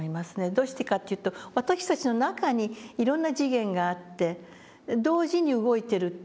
どうしてかって言うと私たちの中にいろんな次元があって同時に動いてるっていう事。